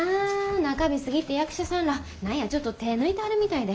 中日過ぎて役者さんら何やちょっと手ぇ抜いてはるみたいで。